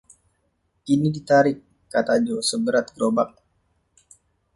"Ini ditarik," kata Jo, "seberat gerobak."